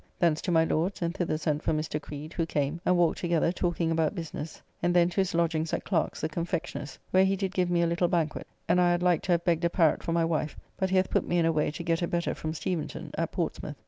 Thence to my Lord's, and thither sent for Mr. Creed, who came, and walked together talking about business, and then to his lodgings at Clerke's, the confectioner's, where he did give me a little banquet, and I had liked to have begged a parrot for my wife, but he hath put me in a way to get a better from Steventon; at Portsmouth.